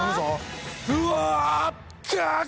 うわ！